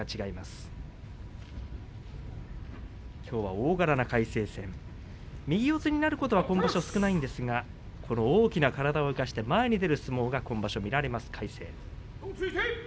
大柄な魁聖右四つになることは今場所少ないんですが大きな体を生かして前に出る相撲が今場所見られます魁聖。